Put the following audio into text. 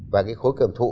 và cái khối kiểm thụ